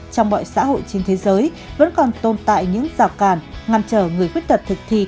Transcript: trong mọi xã hội trên thế giới vẫn còn tồn tại những rào càn ngăn chở người khuyết tật thực thi